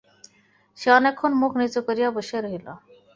সে অনেকক্ষণ মুখ নিচু করিয়া বসিয়া রহিল।